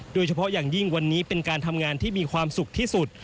โดยเฉพาะอย่างยิ่งวันนี้เป็นการทำงานที่มีความสุขที่สุด